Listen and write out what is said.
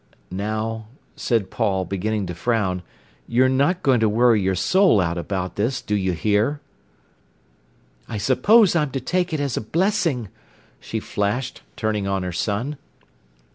"Now," said Paul, beginning to frown, "you're not going to worry your soul out about this, do you hear." "I suppose I'm to take it as a blessing," she flashed, turning on her son.